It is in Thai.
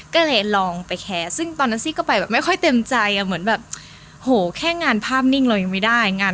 ก็เลยลองไปแคร์ซึ่งน่ะซีก็ไปไม่ค่อยเต็มใจเหมือนแบบโหแค่งานภาพนิ่งเรายังไม่ได้